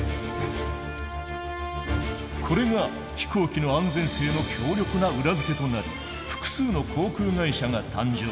これが飛行機の安全性の強力な裏付けとなり複数の航空会社が誕生。